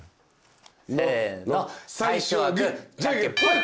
せの最初はグーじゃんけんぽい。